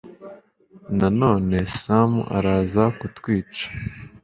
nanone samu araza kutwica